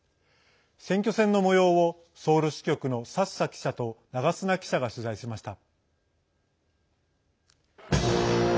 選挙戦のもようをソウル支局の佐々記者と長砂記者が取材しました。